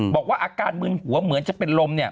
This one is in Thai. บอกว่าอาการมึนหัวเหมือนจะเป็นลม